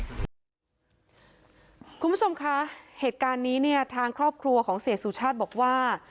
คุณผู้ชมคะเหตุการณ์นี้เนี่ยทางครอบครัวของเสียสุชาติบอกว่า